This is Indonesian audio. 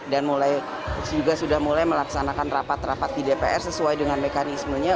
dan juga sudah mulai melaksanakan rapat rapat di dpr sesuai dengan mekanismenya